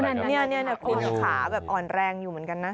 นี่คุณขาแบบอ่อนแรงอยู่เหมือนกันนะ